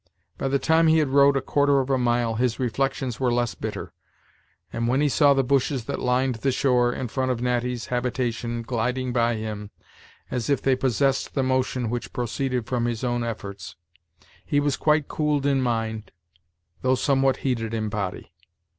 By the time he had rowed a quarter of a mile, his reflections were less bitter; and when he saw the bushes that lined the shore in front of Natty's habitation gliding by him, as if they possessed the motion which proceeded from his own efforts, he was quite cooled in mind, though somewhat heated in body.